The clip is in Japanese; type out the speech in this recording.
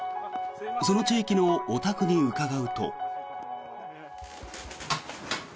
その地域のお宅に伺うと。